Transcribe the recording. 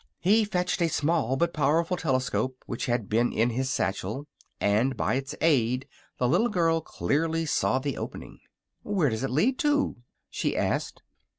He fetched a small but powerful telescope, which had been in his satchel, and by its aid the little girl clearly saw the opening. "Where does it lead to?" she asked.